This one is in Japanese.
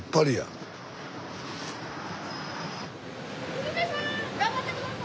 ・鶴瓶さん頑張って下さい！